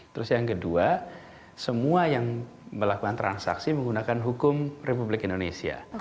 terus yang kedua semua yang melakukan transaksi menggunakan hukum republik indonesia